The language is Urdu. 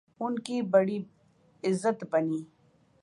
ان کی بڑی عزت بنی۔